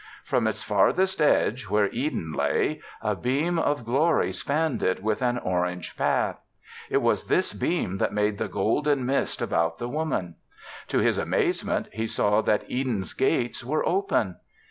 From its farthest edge where Eden lay, a beam of glory spanned it with an orange path. It was this beam that made the golden mist about the Woman. To his amazement he saw that Eden's gates were open.